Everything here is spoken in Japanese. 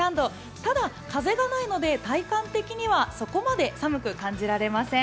ただ、風はないので体感的にはそこまで寒く感じません。